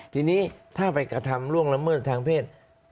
ทีนี้ถ้าไปกระทำล่วงละเมิดทางเพศ